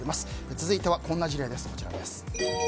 続いては、こんな事例です。